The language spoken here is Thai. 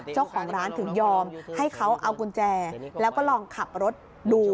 เจ้าของร้านถึงยอมให้เขาเอากุญแจแล้วก็ลองขับรถดู